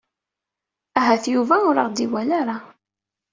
Ahat Yuba ur aɣ-d-iwala ara.